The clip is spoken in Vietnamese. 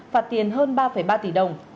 phạt tiền hơn ba ba tỷ đồng